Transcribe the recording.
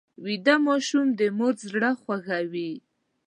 ویده ماشوم د مور زړه خوږوي